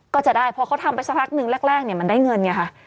ก็จะได้เพราะเขาทำไปสักพักหนึ่งแรกมันได้เงินไงค่ะ